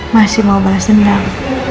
masih mau bahas senang